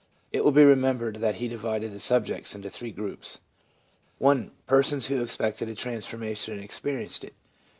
It will be remembered that he divided the subjects into three groups : I., persons who expected a transformation and experienced it; II.